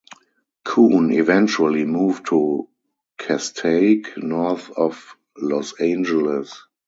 Koon eventually moved to Castaic, north of Los Angeles.